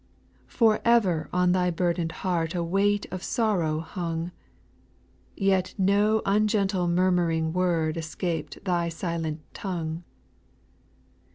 For ever on Thy burden'd heart A weight of sorrow hung ; Yet no ungentle murmuring word Escaped Thy silent tongue.